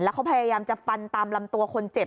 เขาพยายามจะฟันตามลำตัวคนเจ็บ